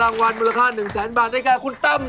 รางวัลมูลค่าหนึ่งแสนบาทด้วยกับคุณตั้มครับ